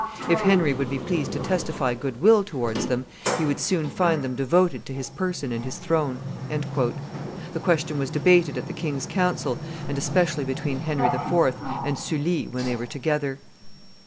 If Henry would be pleased to testify good will towards them, he would soon find them devoted to his person and his throne." The question was debated at the king's council, and especially between Henry IV. and Sully when they were together.